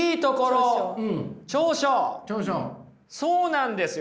そうなんですよ！